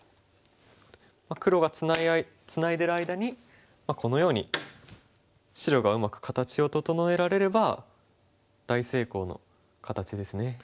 黒がツナいでる間にこのように白がうまく形を整えられれば大成功の形ですね。